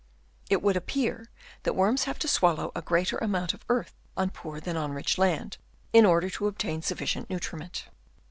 It would appear that worms have to swallow a greater amount of earth on poor than on rich land, in order to obtain sufficient nutrimenl